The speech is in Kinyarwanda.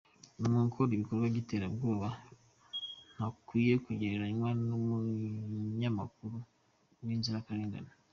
Umuntu ukora ibikorwa by’iterabwoba ntakwiye kugereranywa n’umunyamakuru w’inzirakarengane.”